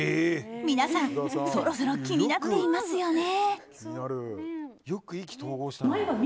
皆さんそろそろ気になっていますよね。